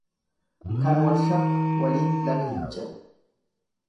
Kan walshakku waliin laga hin ce'u.